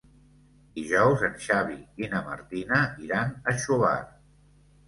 Dijous en Xavi i na Martina iran a Xóvar.